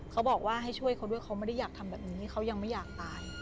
เขาบอกว่าให้ช่วยเขาด้วยเขาไม่ได้อยากทำแบบนี้เขายังไม่อยากตาย